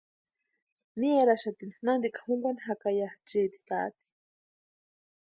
Ni eraxatani nantika junkwani jaka ya chiti taati.